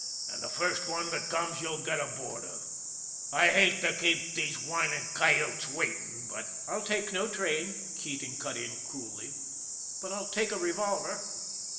" An' the first one that comes you'll get aboard of. I hate to keep those whinin' coyotes waitin', bat " I'll take no train," Keating cut in coolly ;" but I'll take a revolver."